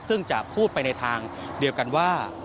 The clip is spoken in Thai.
ซึ่งจะพูดไปในทางเดียวกันว่า